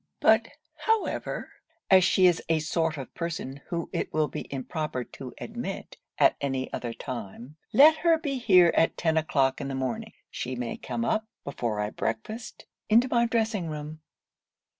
But however, as she is a sort of person whom it will be improper to admit at any other time, let her be here at ten o'clock in the morning. She may come up, before I breakfast, into my dressing room.'